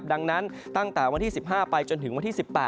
ดังนั้นตั้งแต่วันที่๑๕ไปจนถึงวันที่๑๘